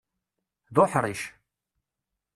D uḥṛic.